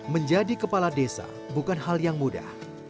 menjadi kepala desa bukan hal yang mudah